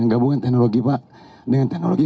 gabungan teknologi pak dengan teknologi